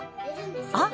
あっ！